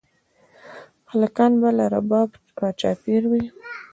هلکان به له ربابه راچاپېر وي